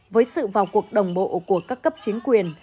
với sự vào cuộc đồng bộ của các cấp chính quyền